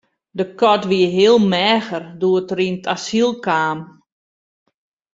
De kat wie heel meager doe't er yn it asyl kaam.